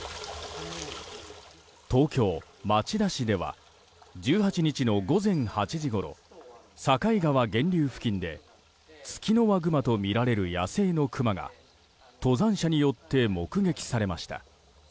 東京・町田市では１８日の午前８時ごろ境川源流付近でツキノワグマとみられる野生のクマが登山者によって目撃されました。